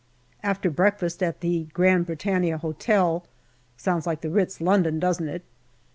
After breakfast at the Grand Britannia Hotel (sounds like the Ritz, London, doesn't it